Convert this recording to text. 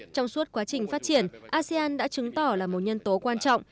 trong suốt quá trình phát triển asean đã chứng tỏ là một nhân tố quan trọng